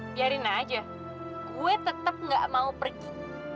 biarin aja gue tetap gak mau pergi